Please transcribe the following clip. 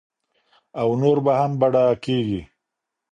او نور به هم بډایه کېږي.